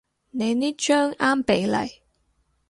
你呢張啱比例